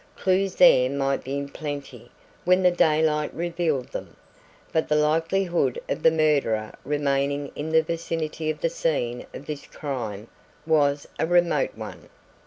Clues there might be in plenty when the daylight revealed them, but the likelihood of the murderer remaining in the vicinity of the scene of his crime was a remote one.